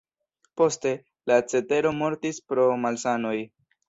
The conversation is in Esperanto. Poste, la cetero mortis pro malsanoj.